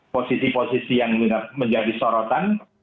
posisi posisi yang menjadi sorotan